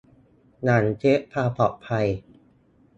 หลังเช็คความปลอดภัย